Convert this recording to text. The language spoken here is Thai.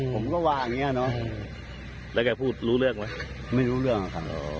ผมก็ว่าอย่างนี้เนอะแล้วแกพูดรู้เรื่องไหมไม่รู้เรื่องครับ